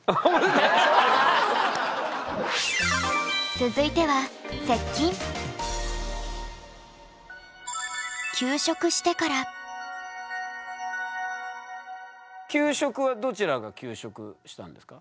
続いては休職はどちらが休職したんですか？